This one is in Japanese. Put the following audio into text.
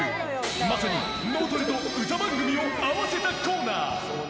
まさに脳トレと歌番組を合わせたコーナー。